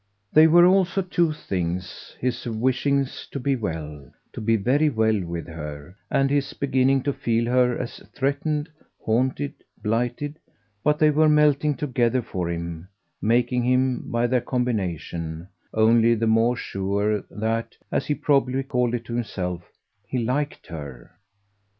They were also two things, his wishing to be well, to be very well, with her, and his beginning to feel her as threatened, haunted, blighted; but they were melting together for him, making him, by their combination, only the more sure that, as he probably called it to himself, he liked her.